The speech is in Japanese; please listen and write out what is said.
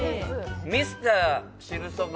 ミスター、汁そば。